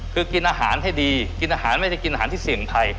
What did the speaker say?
คือกินอาหารให้ดีกินอาหารไม่ได้กินอาหารที่เสี่ยงภัย